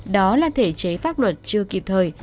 đó là thể chế pháp luật chưa kịp thời